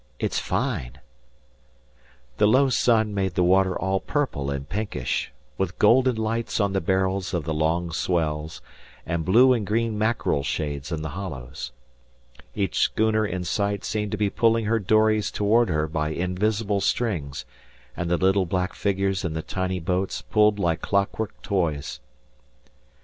"It's fine." The low sun made the water all purple and pinkish, with golden lights on the barrels of the long swells, and blue and green mackerel shades in the hollows. Each schooner in sight seemed to be pulling her dories towards her by invisible strings, and the little black figures in the tiny boats pulled like clockwork toys.